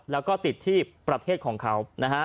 แล้วก็ติดที่ประเทศของเขา